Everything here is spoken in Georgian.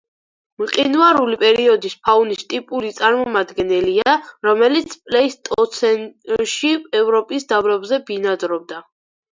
მყინვარული პერიოდის ფაუნის ტიპური წარმომადგენელია, რომელიც პლეისტოცენში ევროპის დაბლობზე ბინადრობდა.